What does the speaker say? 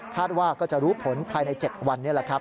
ว่าก็จะรู้ผลภายใน๗วันนี้แหละครับ